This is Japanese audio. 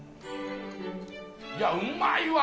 いや、うんまいわ。